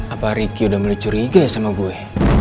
apa riki udah melucur iga ya sama gue